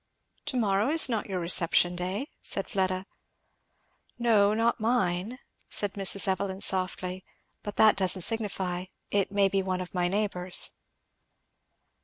"To morrow is not your reception day," said Fleda. "No, not mine," said Mrs. Evelyn softly, "but that doesn't signify it may be one of my neighbours'."